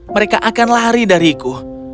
mereka akan lari dariku